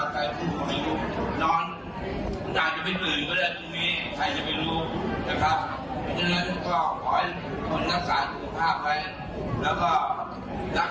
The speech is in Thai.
ผมก็ต้องขอขอบคุณเพื่อนแล้วก็รักษาทุกคนนะครับ